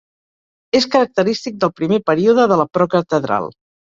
És característic del primer període de la procatedral.